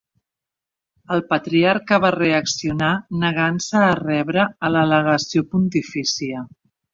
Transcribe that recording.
El Patriarca va reaccionar negant-se a rebre a la legació pontifícia.